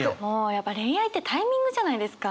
やっぱ恋愛ってタイミングじゃないですか。